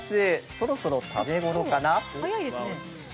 そろそろ食べ頃かな。